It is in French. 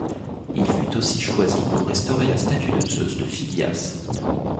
Il fut aussi choisi pour restaurer la statue de Zeus de Phidias.